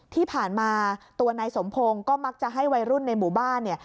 ที่ผ่านมาตัวนายสมพงศ์ก็มักจะให้วัยรุ่นในหมู่บ้านเนี่ย